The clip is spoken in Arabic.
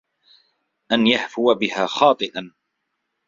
أَنْ يَهْفُوَ بِهَا خَاطِئًا